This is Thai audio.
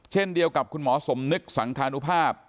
เช่นเดียวกับคุณหมอสมนึกสังคานุภาพ